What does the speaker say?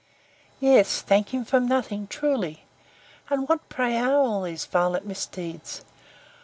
Yes, thank him for nothing, truly. And what, pray, are all these violent misdeeds?